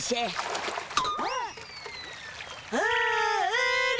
あれ！